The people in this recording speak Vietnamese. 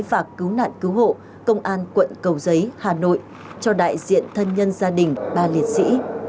và cứu nạn cứu hộ công an quận cầu giấy hà nội cho đại diện thân nhân gia đình ba liệt sĩ